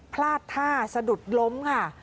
พลาดท่าสะดุดล้มค่ะ